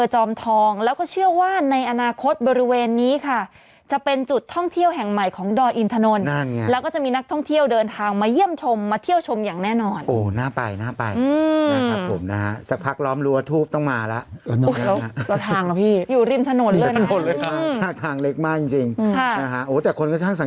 ใช่แล้วก็พวกเกิดของเจ้าชอบมากเขาไปทำบ้านกันไปทำอะไรกันนะ